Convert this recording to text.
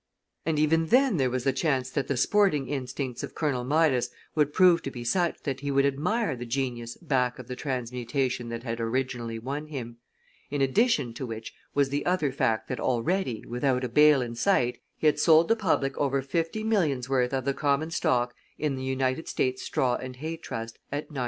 And even then there was the chance that the sporting instincts of Colonel Midas would prove to be such that he would admire the genius back of the transmutation that had originally won him in addition to which was the other fact that already, without a bale in sight, he had sold the public over fifty millions' worth of the common stock in the United States Straw and Hay Trust at 97 7/8.